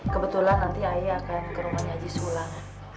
kebetulan nanti ayo akan ke rumahnya haji sulam